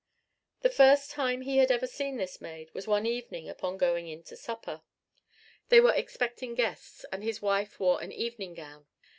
The first time he had ever seen this maid was one evening upon going in to supper. They were expecting guests, and his wife wore an evening gown.